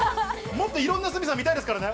もっといろんな鷲見さん、見たいですからね。